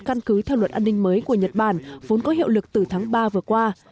căn cứ theo luật an ninh mới của nhật bản vốn có hiệu lực từ tháng ba vừa qua